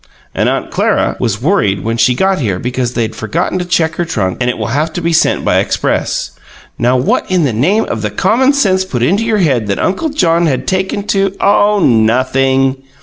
And Aunt Clara was worried when she got here because they'd forgotten to check her trunk and it will have to be sent by express. Now what in the name of the common sense put it into your head that Uncle John had taken to " "Oh, nothing."